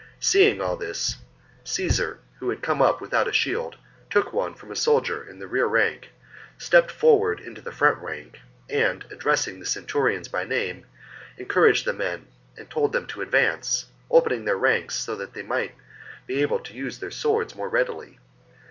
Seeing all this, Caesar, who had come up without a shield, took one from a soldier in the rear rank, stepped forward into the front rank, and, addressing the centurions by name, encouraged the men and told them to advance, opening their ranks so that they might be able to use their swords more readily.